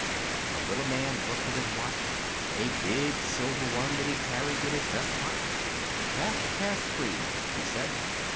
The little man looked at his watch a big silver one that he carried in his vest pocket. "Half past three," he said.